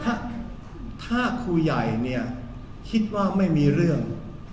คืออย่างนี้ถ้าครูใหญ่คิดว่าไม่มีเรื่อง